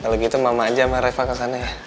kalau gitu mama aja sama rafa ke sana ya